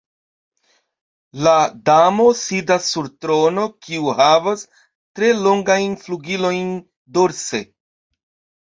La damo sidas sur trono kiu havas tre longajn flugilojn dorse.